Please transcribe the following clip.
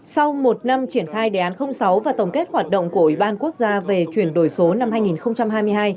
sau một năm triển khai đề án sáu và tổng kết hoạt động của ủy ban quốc gia về chuyển đổi số năm hai nghìn hai mươi hai